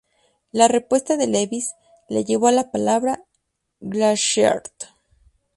La respuesta de Lewis le llevó a la palabra "Glassheart.